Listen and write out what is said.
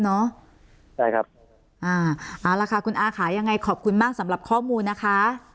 ใช่ครับอ่าเอาละค่ะคุณอาค่ะยังไงขอบคุณมากสำหรับข้อมูลนะคะ